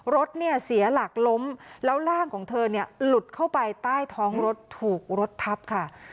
รถเนี่ยเสียหลักล้มแล้วร่างของเธอเนี่ยหลุดเข้าไปใต้ท้องรถถูกรถทับค่ะ